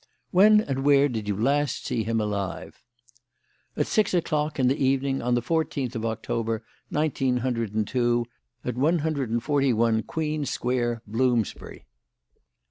"When and where did you last see him alive?" "At six o'clock in the evening, on the fourteenth of October, nineteen hundred and two, at 141 Queen Square, Bloomsbury."